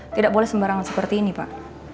tidak boleh sembarangan seperti ini pak